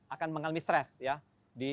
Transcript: akan mengalami stres ya di